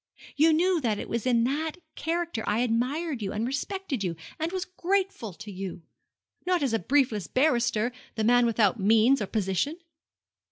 You knew that it was in that character I admired you and respected you, and was grateful to you! Not as the briefless barrister the man without means or position!'